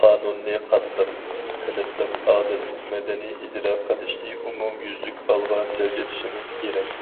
قانۇننى قاتتىق، قېلىپلىق، ئادىل، مەدەنىي ئىجرا قىلىشنى ئومۇميۈزلۈك ئالغا سىلجىتىشىمىز كېرەك.